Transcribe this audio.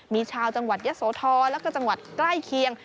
มีชาวจังหวัดยะโสธรแล้วก็จังหวัดใกล้เคียง